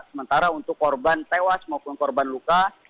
sementara untuk korban tewas maupun korban luka